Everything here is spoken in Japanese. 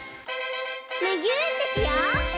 むぎゅーってしよう！